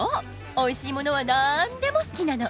おいしいものはなんでも好きなの。